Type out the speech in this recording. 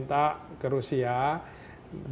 saya ada satu orang